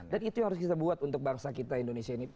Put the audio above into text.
dan itu yang harus kita buat untuk bangsa kita indonesia ini